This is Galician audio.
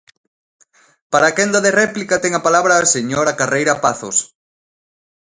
Para a quenda de réplica ten a palabra a señora Carreira Pazos.